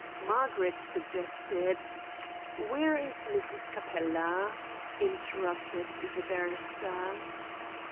Margaret suggested " "Where is Mrs. Capella?" interrupted the barrister.